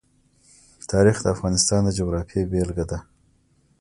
تاریخ د افغانستان د جغرافیې بېلګه ده.